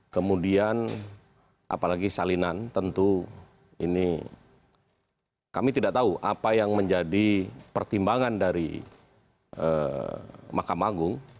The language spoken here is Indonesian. kemudian apalagi salinan tentu ini kami tidak tahu apa yang menjadi pertimbangan dari mahkamah agung